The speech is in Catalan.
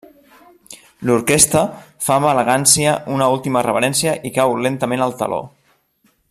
L'orquestra fa amb elegància una última reverència i cau lentament el teló.